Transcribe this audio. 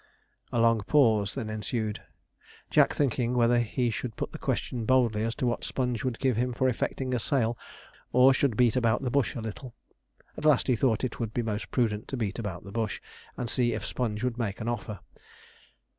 A long pause then ensued. Jack thinking whether he should put the question boldly as to what Sponge would give him for effecting a sale, or should beat about the bush a little. At last he thought it would be most prudent to beat about the bush, and see if Sponge would make an offer.